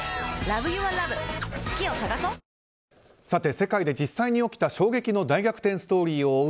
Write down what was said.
世界で実際に起きた衝撃の大逆転ストーリーを追う